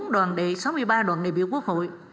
sáu mươi bốn đoàn đệ sáu mươi ba đoàn đệ biểu quốc hội